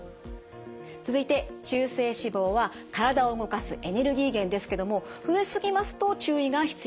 続いて中性脂肪は体を動かすエネルギー源ですけども増え過ぎますと注意が必要です。